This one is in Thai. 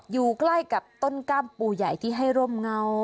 อยู่ใกล้กับต้นกล้ามปูใหญ่ที่ให้ร่มเงา